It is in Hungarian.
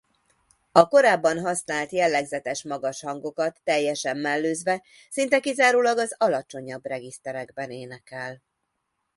A korábban használt jellegzetes magas hangokat teljesen mellőzve szinte kizárólag az alacsonyabb regiszterekben énekel.